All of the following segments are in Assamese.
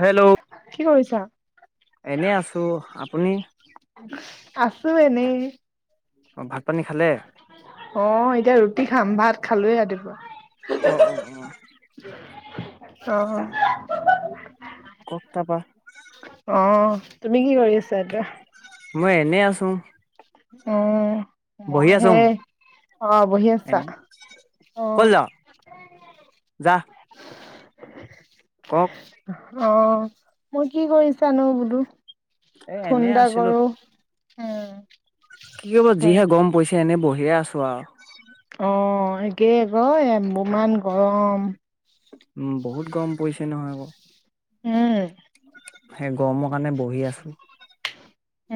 হেল্ল' ছা এনে আছো আপুনি আছো এনেই। অ ভাত পানী খালে? অ এতিয়া ৰুটি খাম। ভাত- খালোৱে ৰাতিপুৱা অ অ অ অ কওক তাৰপা। অ তুমি কি কৰি আছা এতিয়া? মই এনেই আছোং। উম মই হেই অ বহি আছা। এনে কত আহ্ যাৱ যা কওক। [unintelligible] অ মই কি কৰিছানো বোলো? এ ফোন এনে এটা আছিলো কৰোঁ। উম কি কৰিব যিহে গম পাইছে এনে বহি সে আছো আও [inaudible] অ একে ক ইয়াত ইমান গৰম উম বহুত গম পৰিছে নহয়। আকৌ, উম সেই গৰমৰ কাৰণে বহি আছো।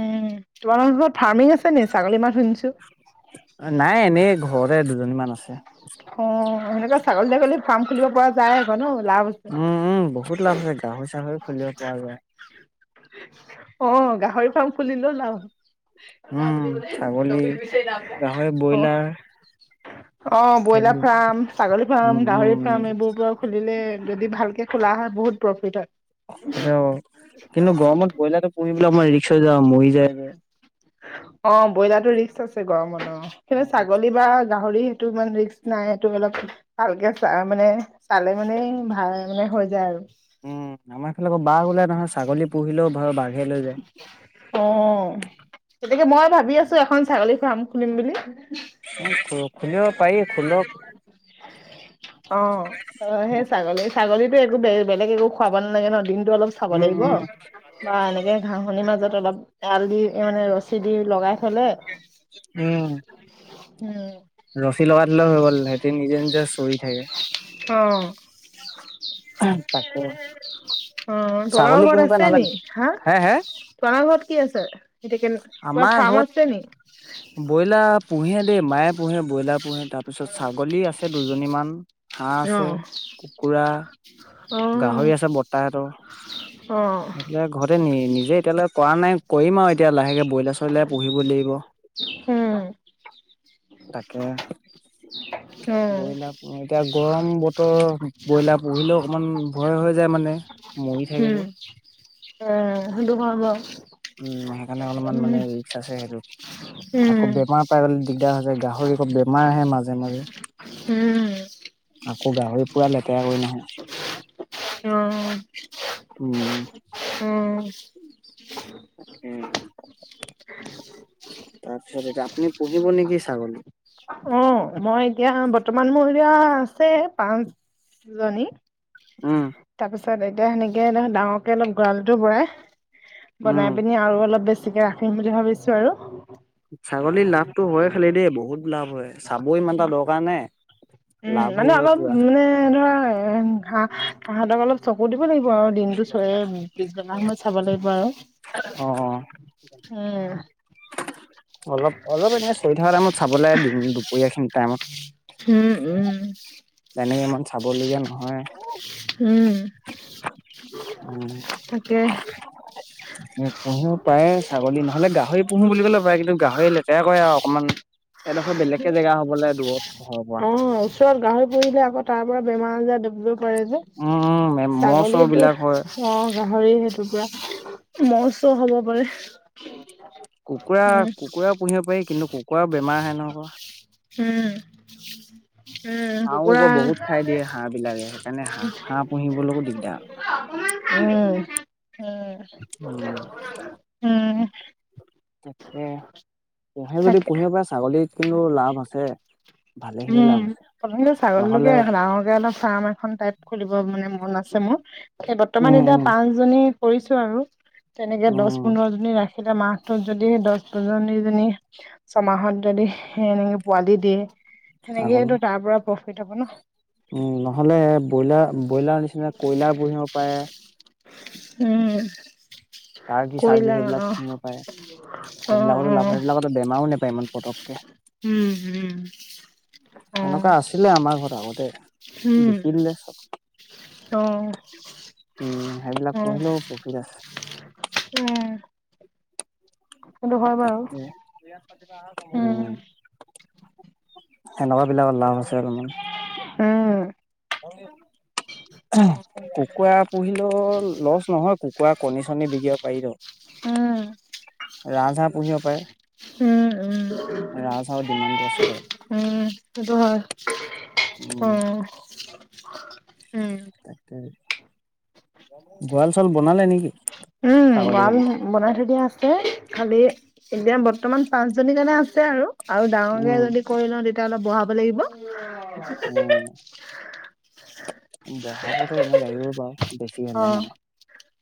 উম তোমালোকৰ ঘৰত ফাৰ্মিং আছে নে ছাগলী মাত শুনিছো? নাই এনেই ঘৰতে দুজনীমান আছে। অ সেনেকুৱা ছাগলী ছাগলী ফাৰ্ম খুলিব পৰা যায় আকৌ ন। লাভ আছে। উম উম বহুত লাভ আছে গাহৰি চাহৰি খুলিব পৰা যায়। অ গাহৰি ফাৰ্ম খুলিলে লাভ। কথা উম পাতিবলে ছাগলী টপিক বিচাৰি নাই গাহৰি ব্ৰইলাৰ পোৱা। অ ব্ৰইলাৰ সেইবিলাক ফাৰ্ম, ছাগলী ফাৰ্ম, উম গাহৰি উম ফাৰ্ম এইবোৰ পৰা খুলিলে যদি ভালকে। খোলা হয় বহুত প্ৰফিট হয়। সেইটো কিন্তু গৰমত ব্ৰইলাৰটো পুহি পাই আমাৰ ৰিক্স হৈ যা মৰি যায়। উম। অ ব্ৰইলাৰটো ৰিক্স আছে, গৰমত অ সেইনে উম, উম, ছাগলী বা গাহৰি সেইটো ইমান ৰিস্ক নাই সেইটো অলপ, ভালকে চা মানে চালে মানে ভাল মানে হৈ যায় আৰু। উম আমাৰ এইফালে আকৌ বাঘ ওলাই নহয়, ছাগলী পুহিলেও হয় বা অ, গতিকে মই ভাবি আছো এখন ছাগলী ফাৰ্ম খুলিম বুলি। খুলিব পাৰি, খুলক। উ [inaudible] অ ত, সেই ছাগলী ছাগলী একে বেলেগ একো খুৱাব নালাগে ন দিন টো অলপ চাব উম, লাগিব, উম, বা এনেকে পানীৰ মাজত অলপ এয়াল দি মানে ৰছী দি লগাই থলে উম, উম ৰছী লগা ধিলা হৈ গ'ল সিহতি নিজে নিজে চৰি থাকে। অ', তাকে। অ তলৰ ছাগলী ঘৰত পুহিবা আছে নহ'লে নি হা? হে হে তোমাৰ ঘৰত কি আছে? এতিয়া কে কিবা আমাৰ ফাৰ্ম ঘৰত আছে নি? এই মায়ে পোহে ব্ৰইলাৰ পোহে তাৰপিছত ছাগলী আছে দুজনীমান হাঁহ আছে অ', কুকুৰা অ', গাহৰি আছে বৰ্তাহতৰ, অ', সেইফালে ঘৰতে নি নিজে এতিয়ালৈ কৰা নাই কৰিম আওঁ এতিয়া লাহেকে ব্ৰইলাৰ চইলাৰ পুহিব লাগিব। উম। তাকে। ব্ৰইলাৰ উম। এতিয়া গৰম বতৰ, ব্ৰইলাৰ পুহিলও অকমান ভয় হৈ যায় মানে মৰি থাকে উম, যে উম সিটো সম্ভব। উম হয়। মানে অলপমান মানে ৰিক্স আছে সেইটোত। আকৌ উম, বেমাৰ পাই- দিগদাৰ হৈ যায়। গাহৰি একৌ বেমাৰ আহে মাজে, মাজে। উম। আকৌ গাহৰি পুৰা লেতেৰা কৰে নহয়। অ', [unintelligible] উম। উম তাৰপিছত এতিয়া আপুনি পুহিব নেকি ছাগলী? অ'। মই এতিয়া বৰ্তমান মোৰ এতিয়া- আছে পাঁচ জনী। উম। তাৰপিছত এতিয়া সেনেকে ধৰক ডাঙৰকে অলপ গঁৰাল টো বঢ়াই- উম বনাই পিনি আৰু অলপ - বেছিকে ৰাখিম বুলি ভাবিছো আৰু। ছাগলীৰ লাভটো হয় খালি দেই বহুত লাভ হয়। চাবও ইমান উম এটা দৰকাৰ নাই। উম' লাভো অলপ হয় ধৰ পুৰা মানে ধৰা- এ' ঘাঁহ, ঘাহতো অলপ- চকু দিব লাগিব আৰু। দিনতটো চয়ে পিছবেলা সময়ত চাব লাগিব আৰু। অ অ উম ' অলপ, অলপ এনেই চাব লাগে চিঞৰি থকা টাইমত চাবলৈ লাগে দুপৰীয়া খিনি টাইমত। উম তেনেকে ইমান চাবলগীয়া নহয়। উম উম তাকে পুহিবও পাৰে ছাগলী নহলে গাহৰি পুহো বুলি কলে পায়ে। কিন্তু- গাহৰি লেতেৰা কৰে। আৰু অকমান এডখৰ বেলেগকে জেগা হ'ব লাগে দূৰত ঘৰৰ পৰা। অ ওচৰত গাহৰি পুহিলে আকৌ তাৰ পৰা বেমাৰ- আজাৰ- কৰে যে। উম মহ চহ ছাগলীটো বিলাক হয়। অঁ গাহৰি সেইটো পৰা ম'হ-চ'হ হব পাৰে। কুকুৰা উম। কুকুৰা পুহিব পাৰি। কিন্তু কুকুৰা- বেমাৰ আহে ন'ক উম উম হাঁহও কুকুৰা ক বহুত খাই দিয়ে হাঁহ বিলাকে সেইকাৰণে হাঁহ, হাঁহ পুহিবলৈকো দিগদাৰ আৰু। উম উম। উম। [unintelligible] তাকে পুহে যদি তাকে পুহিব পাৰা। ছাগলীত কিন্তু লাভ আছে ভালে খিনি উম লাভ আছে প্ৰথমতে নহ'লে ছাগলীটোকে ডাঙৰকে অলপ ফাৰ্ম এখন টাইপ খুলিব মানে মন আছে মোৰ সে বৰ্তমান উম এতিয়া উম পাঁচজনী কৰিছো আৰু তেনেকে দহ উম পোন্ধৰ জনী ৰাখি তেতিয়া মাহটোত যদি দহ দুজনীজনী ছমাহত যদি সে এনেকে পোৱালি দিয়ে আকৌ সেনেকে তো তাৰ পৰা পঢ় কৰি থাকো ন উম নহ'লে ব্ৰইলাৰ ব্ৰইলাৰ নিচিনা কয়লাৰ পুহিব পাৰে উম কাৰ কি চাৰ্ কি কৰিলা সেইবিলাক অ শুনিব পাৰে অ সেইবিলাকতো লাভ অ সেইবিলাকতো বেমাৰো নোপায় ইমান পতককে উম উম অ সেনেকোৱা আছিলে আমাৰ ঘৰত আগতে বিক্ৰী উম দিলে অ অ চব উম সেইবিলাক পুহিলেও প্ৰফিট আছে উম [unintelligible] সেটো হয় বাৰু তাকে উম সেনেকোৱা বিলাকত লাভ আছে আৰু ইমান উম হয় কুকুৰা পুহিলেও লছ নহয় কুকুৰা কণী চনী বিকে পাৰিলে উম ৰাজহাঁহ পুহিব পায় উম উম ৰাজহাঁহৰ ডিমানটো আছে টো সেটো হয় উম তাক ধান চাউল বনালে নেকি উম ছাগলীৰ ৱাল কাৰণে বনাই থৈ দিয়া আছে খালি এতিয়া বৰ্তমান পাঁচজনীৰ কাৰণে আছে আৰু আৰু ডাঙৰ উম গো যদি কৈ লও তেতি য়া‌ অলপ বঢ়াব লাগিব উ বহাগতো এনে লাগিবই বাৰু বেছি হলে মানে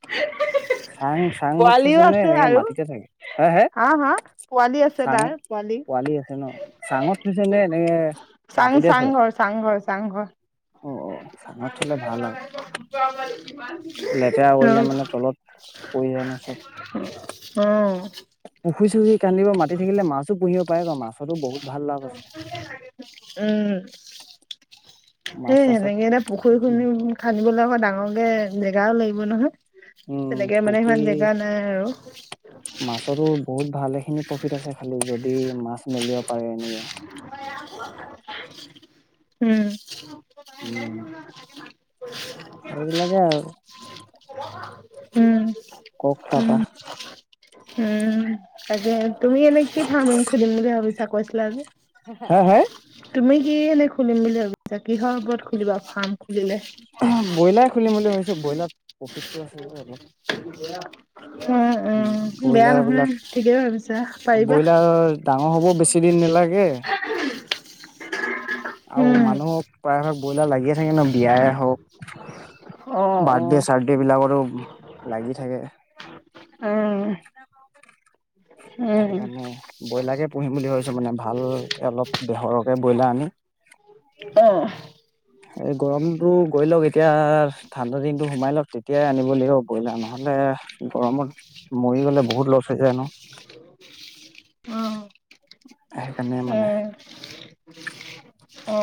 এ চাং চাঙত থৈছে নে এনেকে আৰু মাটিতে থাকে হে হে হা হা পোৱালি আছে তাৰ চাঙত পোৱালি আছে নে চাঙত থৈছে নে এনেকে চাং মাটিতে থাকে চাংঘৰ চাংঘৰ চাংঘৰ [unintelligible] লেতেৰা কৰিলে মানে তলত পৰি যায় ন চব অ পুখুৰী চুখুৰি খান্দিব মাতি থাকিলে মাছও পুহিব পায় বাওঁ মাছতো বহুত ভাল লাভ আছে। উম মাছ সেই চাছত সেনেকে এতিয়া পুখুৰী খুন্দি খান্দিবলে আক ডাঙৰকে জেগাও লাগিব নহয় উম তেনেকে মানে সিমান পুখুৰী জেগা নাই আৰু মাছটো বহুত ভালেখিনি প্ৰফিট আছে খালি যদি মাছ মেলিব পাৰে এনেকে উম [unintelligible] উম সেইবিলাকে আৰু উম কওক তাপা উম উম তাকে তুমি এ এনেই কি ফাৰ্মিং বুলি ভাবিছা কৈছিলা যে হে হে তুমি কি এনে খুলিম বুলি ভাবিছা কিহৰ ওপৰত খুলিবা ফাৰ্ম খুলিলে [unintelligible] উম উম বেয়া ব্ৰইলাৰ নহয় বিলাক ঠিকেই ভাবিছা পাৰিবা ব্ৰইলাৰ ডাঙৰ হব বেছি দিন নালাগে। উম অ', অ', অহ সেইকাৰণে বইলাৰকে পুহিম বুলি ভাবিছো মানে ভালকে অলপ সৰহকে বইলাৰ আনি অহ এই গৰমটো গৈ ধৰি লওক এতিয়া ঠাণ্ডা দিনটো সোমাই লওক তেতিয়াই আনিব লাগিব ব্ৰইলাৰ নহলে গৰমত মৰি গলে বহুত লছ হৈ যায় ন। সেইকাৰণে মানে অ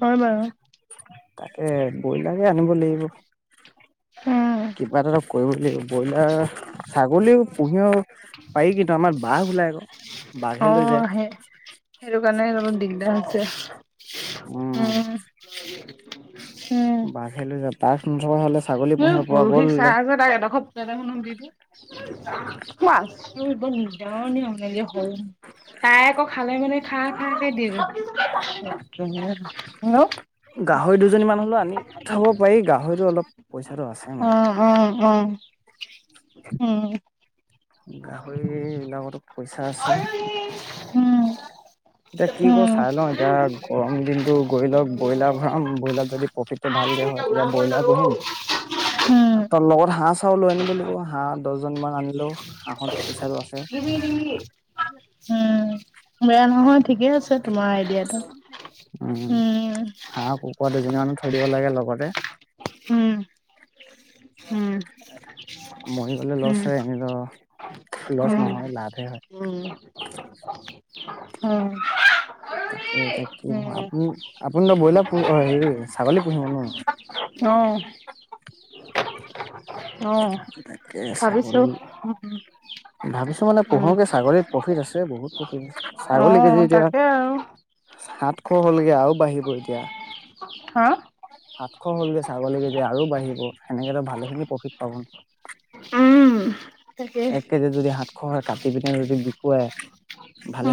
হয় বাৰু তাকে ব্ৰইলাৰে আনিব লাগিব হম কিবা এটা অ কৰো দেই ব্ৰইলাৰ ছাগলীও, পুহিয়ও পাৰি কিন্তু আমাৰ বাঘ উলাই ক অ সেই সেইটো কাৰণে অলপ দিগদাৰ ছেছে অ অঁ বাঘ লৈ যাব তাক ন হ'লে ছাগলী উ পুহিব পৰা পৰহি গ'ল চাহ আ যে তাক এডোখৰ দিটোৰ নিজৰ নিয়মলে হল তাই আকৌ খালে মানে খা খা খে দেওঁ হল- গাহৰি দুজনী মান হলেও আনি থব পাৰি গাহৰিটো অলপ পইচাটো আছে মানে। উম উম গাহৰি বিলাকতো পইচা আছে। উম উম এতিয়া কি কৰো চাই ল এতিয়া গৰম দিনতো গৈ লওঁক ব্ৰইলাৰ ভৰাম ব্ৰইলাৰ যদি প্ৰফিটটো ভালকে হয় তেতিয়া ব্ৰইলাৰ পুহিম তই লগত হহ পচাওঁ লৈ আনিব লাগিব হাঁহ দহজন মান আনিলোও হাঁহঁতে পইচাঁটো আছে উম উম বেয়া নহয় ঠিকে আছে তোমাৰ আইডিয়াটো উম হাঁহ, কুকুৰা, দুজনী মানুহ থৈ দিব লাগে লগতে উম উম মৰি গলে লছ উম হয় এনেত লছ উম নহয় লাভে হয় উম উম তাকে এতিয়া কি আপু আপুনি ত ব্ৰইলাৰ প হেৰি ছাগলী পুহিব ন উম [inaudible] অ তাক ভাবিছো ছাগলী ভাবিছো মানে পো়কে ছাগলীত প্ৰফিট আছে বহুত প্ৰফিট আ অ ছাগলী কেজি এতিয়া তাকে আৰু সাতশ হলগে আৰু বাঢ়িব এতিয়া হা সাতশ হলগে ছাগলী, কেজি আৰু বাঢ়িব সেনেকো ভালে খিনি প্ৰফিট উম তাকে এক কেজি যদি সাতশ কাটি পিনে যদি বিকুৱাই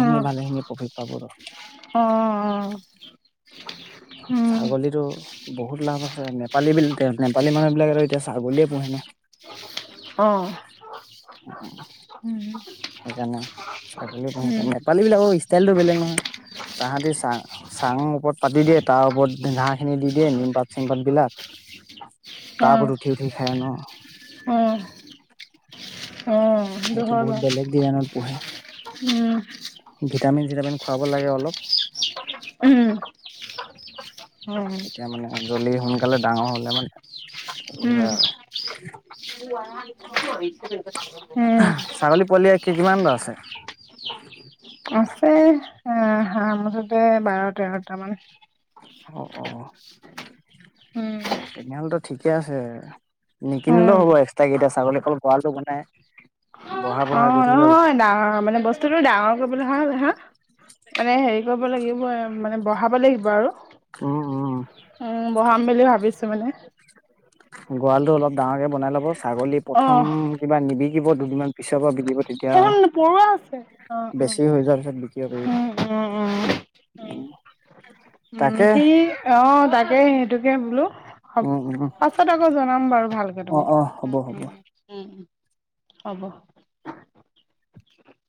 অ ভালেখিনি প্ৰফিট পাব আৰু উম ছাগলীতো বহুত লাভ আছে নেপালী বিলাক নেপালী মানুহ বিলাক আৰু এতিয়া ছাগলীয়ে। পু ন অ উম সেইকাৰণে ছাগলী পুহি পি নেপালী বিলাকৰ ষ্টাইলতটো বেলেগ নহয় তাহাঁতি চাং চাংৰ ওপৰত পাতি দিয়ে। তাৰ ওপৰত ঘাঁহ খিনি দি দিয়ে নিমপাত চিম পাত বিলাক অ তাৰ ওপৰত উঠি উঠি। থে হেনো অ অ সেইটো হয় বহুত বাৰু বেলেগ ডিজাইনত পোহে। উম। ভিটামিন-চিটামিন খুৱাব লাগে অলপ। উম উম তেতিয়া মানে, জল্দি সোনকালে ডাঙৰ হ'লে মানে উম [unintelligible] [unintelligible] উম ছাগলী পোৱালী কি কিমান বাও আছে? আছে এ, হাঁহ মুঠতে বাৰ-তেৰটামান অ' অ' উম তেনেহ'লেতো। ঠিকে আছে। নিকিনিলেও উম হ'ব, এক্সট্ৰাকে এতিয়া, ছাগলী অকল গৰালটো বনাই বঢ়া বঢ়াই গৈ অ' থাকিলে অলপ নহয়, ডাঙৰ মানে বস্তুটো ডাঙৰ কৰিবলে হ'লে, হা মানে হেৰি ৰ'ব লাগিব আ, মানে বঢ়াব লাগিব আৰু। উম উম। উম বহাম বুলি ভাবিছো মানে গঁৰালটো অলপ ডাঙৰকে বনাই ল'ব ছাগলী অ প্ৰথম কিবা নিবি কিব দুদিনমান পিছৰ পৰা বিকিব। তেতিয়া, সেইখন পৰুৱা আছে অ অ বেছি হৈ যাব উম উম উম। উম, তাকে থি অ-তা এ সেটোকে বোলো। হ'ব উম উম উম। পাছত আকৌ জনাম বাৰু ভালকে অ তোমাক। অ হ'ব হ'ব হ'ব।